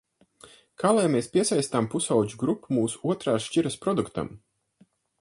Kā lai mēs piesaistām pusaudžu grupu mūsu otrās šķiras produktam?